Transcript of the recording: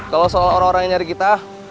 kalau seorang orang yang nyari kita